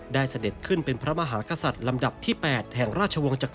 ได้เสด็จขึ้นเป็นพระมหากศรัทธรรมดับที่แปด